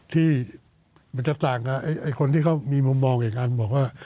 ที่มันจะต่างกับไอ้ไอ้คนที่เขามีมุมมองกับอื่กอันบอกว่า